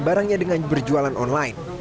barangnya dengan berjualan online